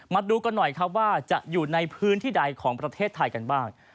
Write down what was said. มาดูกันหน่อยครับว่าจะอยู่ในพื้นที่ใดของประเทศไทยกันบ้าง